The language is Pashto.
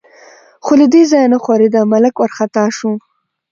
خو له دې ځایه نه ښورېده، ملک وارخطا شو.